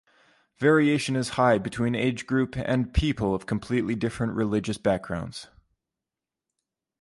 Variation is high between age group and people of completely different religious backgrounds.